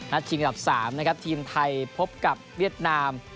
ชิงอันดับ๓นะครับทีมไทยพบกับเวียดนาม